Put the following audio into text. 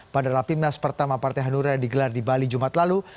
padahal pimnas pertama partai hanura digelar di bali jumat lalu